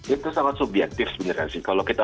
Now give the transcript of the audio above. itu sangat subjektif sebenarnya sih kalau kita